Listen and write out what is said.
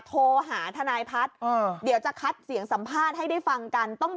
โทรหาทนายพัฒน์เดี๋ยวจะคัดเสียงสัมภาษณ์ให้ได้ฟังกัน